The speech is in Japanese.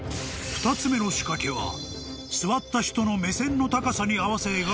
［２つ目の仕掛けは座った人の目線の高さに合わせ描かれた